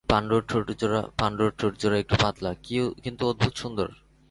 পাণ্ডুর ঠোঁটজোড়া একটু পাতলা, কিন্তু অদ্ভুত সুন্দর।